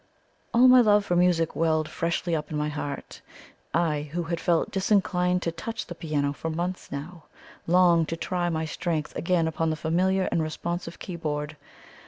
All my love for music welled freshly up in my heart; I, who had felt disinclined to touch the piano for months, now longed to try my strength again upon the familiar and responsive key board.